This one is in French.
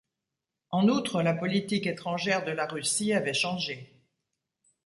En outre, la politique étrangère de la Russie avait changé.